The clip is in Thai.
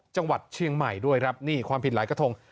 จังหวัดเชียงใหม่ด้วยครับนี่ความผิดหลายกระทง